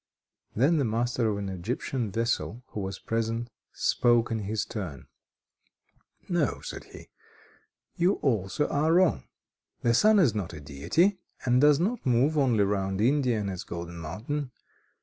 Then the master of an Egyptian vessel, who was present, spoke in his turn. "No," said he, "you also are wrong. The sun is not a Deity, and does not move only round India and its golden mountain.